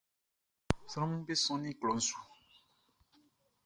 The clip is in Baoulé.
Sranʼm be sɔnnin klɔʼn su.